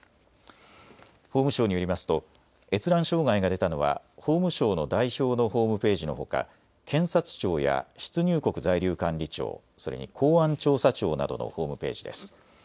法務省によりますと閲覧障害が出たのは法務省の代表のホームページのほか検察庁や出入国在留管理庁、それに公安調査庁などのホームページです。